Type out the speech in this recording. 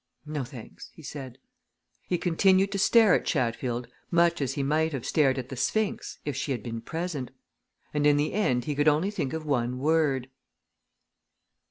"No, thanks," he said. He continued to stare at Chatfield much as he might have, stared at the Sphinx if she had been present and in the end he could only think of one word.